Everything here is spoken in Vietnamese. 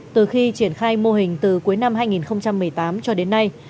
từ khi triển khai mô hình từ cuối năm hai nghìn một mươi tám cho đến nay